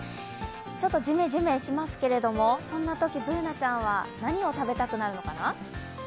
ちょっとジメジメしますけれどもそんなときＢｏｏｎａちゃんは何を食べたくなるのかな？